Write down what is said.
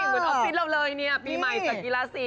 เป็นตอนเติมลงเลยปีใหม่จัดกีฬาสี